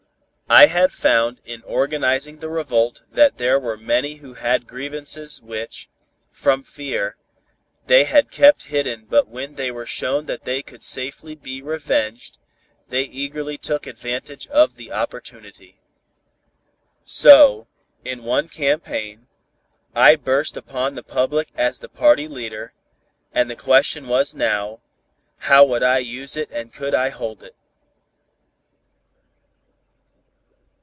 I had found in organizing the revolt that there were many who had grievances which, from fear, they had kept hidden but when they were shown that they could safely be revenged, they eagerly took advantage of the opportunity. So, in one campaign, I burst upon the public as the party leader, and the question was now, how would I use it and could I hold it.